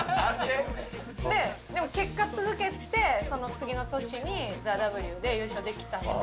で、結果、続けて、その次の年にＴＨＥＷで優勝できたんで。